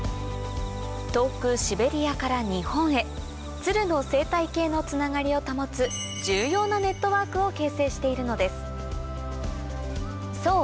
遠くシベリアから日本へツルの生態系のつながりを保つ重要なネットワークを形成しているのですそう